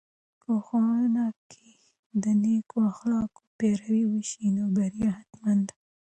که ښوونې کې د نیکو اخلاقو پیروي وسي، نو بریا حتمي ده.